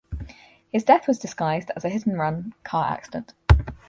His death was disguised as a hit-and-run car accident.